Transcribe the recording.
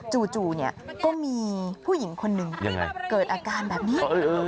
จู่เนี่ยก็มีผู้หญิงคนหนึ่งเกิดอาการแบบนี้